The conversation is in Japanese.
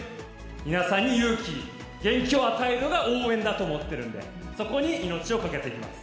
皆さんに勇気、元気を与えるのが応援だと思ってるんで、そこに命を懸けていきます。